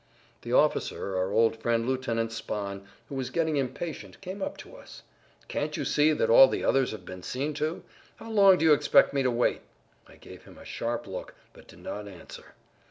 The officer, our old friend Lieutenant Spahn, who was getting impatient, came up to us. "Can't you see that all the others have been seen to? How long do you expect me to wait?" I gave him a sharp look, but did not answer.